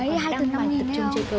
đang bàn tập trung chơi cờ